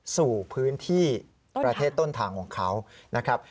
สู่พื้นที่ประเทศต้นทางของเขานะครับ